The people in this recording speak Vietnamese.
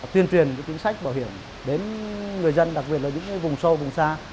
tuyên truyền chính sách bảo hiểm đến người dân đặc biệt là những vùng sâu vùng xa